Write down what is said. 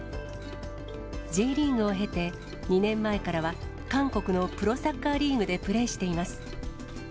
Ｊリーグを経て、２年前からは韓国のプロサッカーリーグでプレーしています。